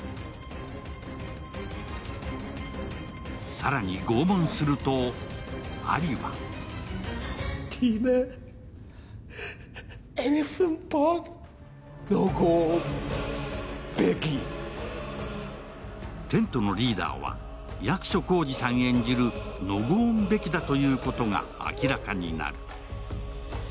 更に、拷問すると、アリはテントのリーダーは役所広司さん演じるノゴーン・ベキだということが明らかになる。